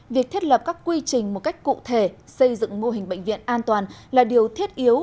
việc thiết lập các quy trình một cách cụ thể xây dựng mô hình bệnh viện an toàn là điều thiết yếu